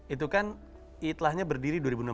itu kan itlahnya berdiri dua ribu enam belas